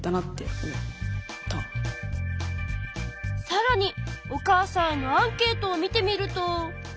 さらにお母さんへのアンケートを見てみると。